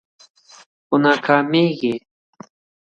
خو ناکامیږي